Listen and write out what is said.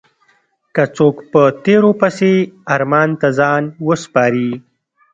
که څوک په تېرو پسې ارمان ته ځان وسپاري.